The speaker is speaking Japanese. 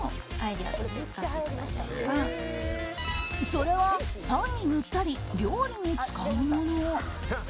それは、パンに塗ったり料理に使うもの。